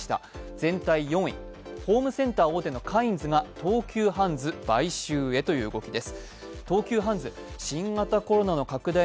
全体４位、ホームセンター大手のカインズが東急ハンズ買収へという動きです。